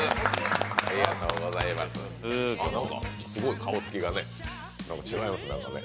すごい顔つきが違いますね。